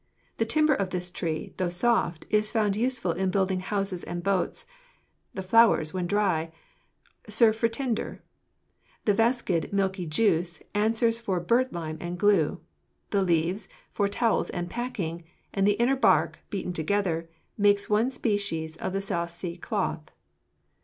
The timber of this tree, though soft, is found useful in building houses and boats; the flowers, when dried, serve for tinder; the viscid, milky juice answers for birdlime and glue; the leaves, for towels and packing; and the inner bark, beaten together, makes one species of the South Sea cloth."